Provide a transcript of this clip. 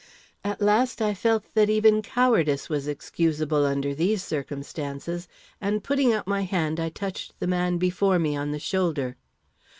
At last I felt that even cowardice was excusable under these circumstances, and, putting out my hand, I touched the man before me on the shoulder.